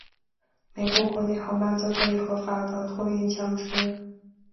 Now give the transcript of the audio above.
美国国内航班则可以合法的托运枪支。